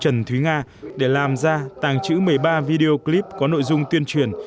trần thúy nga để làm ra tàng trữ một mươi ba video clip có nội dung tuyên truyền